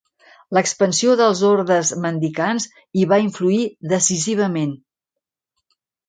L'expansió dels ordes mendicants hi va influir decisivament.